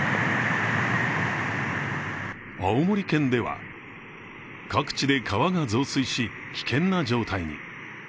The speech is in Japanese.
青森県では、各地で川が増水し、危険な状態に。